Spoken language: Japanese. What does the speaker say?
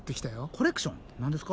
コレクション何ですか？